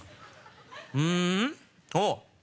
うん？あっ！